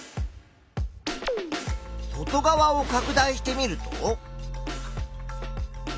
外側をかく大してみると。